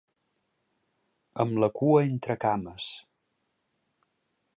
Amb la cua entre cames.